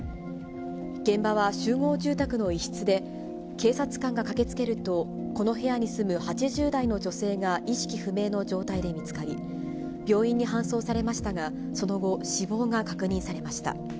現場は集合住宅の一室で、警察官が駆けつけると、この部屋に住む８０代の女性が意識不明の状態で見つかり、病院に搬送されましたが、その後、死亡が確認されました。